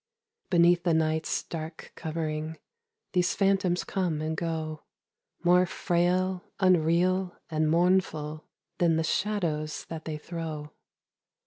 100 Cul de Sac. Beneath the night's dark covering These phantoms come and go, More frail, unreal, and mournful Than the shadows that they throw.